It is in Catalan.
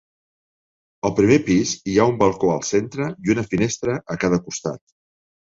Al primer pis hi ha un balcó al centre i una finestra a cada costat.